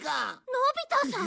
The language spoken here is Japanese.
のび太さん？